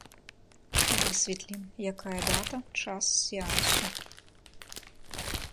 Высветлім, якая дата, час сеансу.